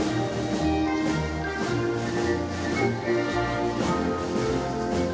pemenangan peleg dan pilpres dua ribu dua puluh empat